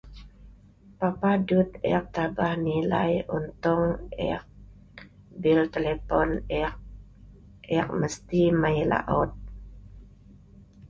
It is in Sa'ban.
How do I top up my bill, I have to go to work.